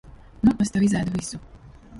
Nu es tev izēdu visu.